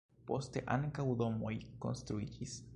Poste ankaŭ domoj konstruiĝis.